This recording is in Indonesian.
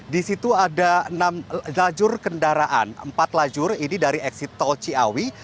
di situ ada enam lajur kendaraan empat lajur ini dari eksit tol ciawi